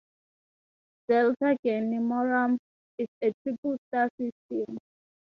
Delta Geminorum is a triple star system.